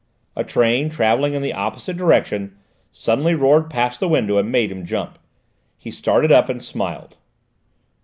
A train, travelling in the opposite direction, suddenly roared past the window and made him jump. He started up, and smiled.